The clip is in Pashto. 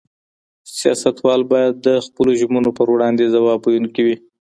سياستوال بايد د خپلو ژمنو په وړاندي ځواب ويونکي وي.